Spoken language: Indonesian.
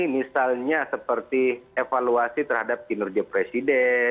misalnya seperti evaluasi terhadap kinerja presiden